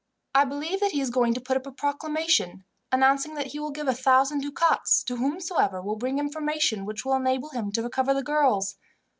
I believe that he is going to put up a proclamation, announcing that he will give a thousand ducats to whomsoever will bring information which will enable him to recover the girls.